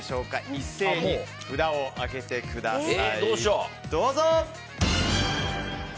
一斉に札を上げてください。